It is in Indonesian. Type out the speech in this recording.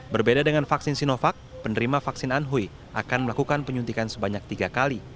berbeda dengan vaksin sinovac penerima vaksin anhui akan melakukan penyuntikan sebanyak tiga kali